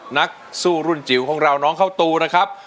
นักสู้รุ่นจิ๋วของเราน้องเข้าตูนะครับ